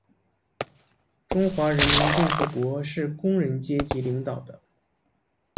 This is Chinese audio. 中华人民共和国是工人阶级领导的